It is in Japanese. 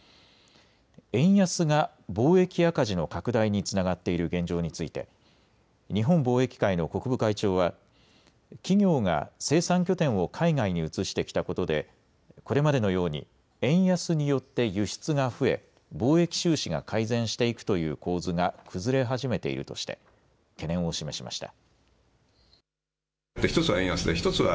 円安が貿易赤字の拡大につながっている現状について日本貿易会の國分会長は企業が生産拠点を海外に移してきたことでこれまでのように円安によって輸出が増え貿易収支が改善していくという構図が崩れ始めているとして懸念を示しました。